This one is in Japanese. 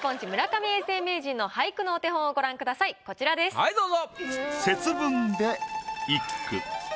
はいどうぞ。